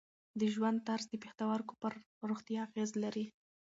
د ژوند طرز د پښتورګو پر روغتیا اغېز لري.